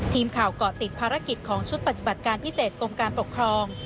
ทีมข่าวเกาะติดภารกิจของชุดปฏิบัติการพิเศษกรมการปกครอง